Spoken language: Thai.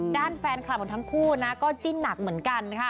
ด้านแฟนคลับของทั้งคู่นะก็จิ้นหนักเหมือนกันค่ะ